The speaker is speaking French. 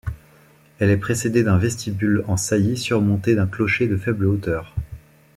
Elle est précédée d'un vestibule en saillie surmonté d'un clocher de faible hauteur.